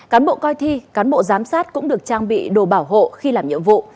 cán bộ coi thi cán bộ giám sát cũng được trang bị đồ bảo hộ khi làm nhiệm vụ